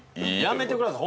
やめてください。